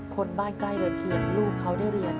คนบ้านใกล้เรือเพียงลูกเขาได้เรียน